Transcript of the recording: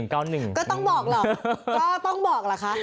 ก็ต้องบอกหรอกก็ต้องบอกเหรอคะ